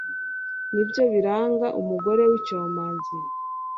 ni byo biranga umugore w'icyomanzi